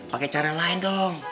pake cara lain dong